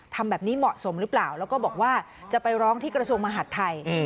ทำแบบนี้เหมาะสมหรือเปล่าแล้วก็บอกว่าจะไปร้องที่กระทรวงมหาดไทย